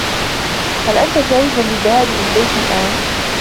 هل أنت جاهز للذهاب للبيت الآن؟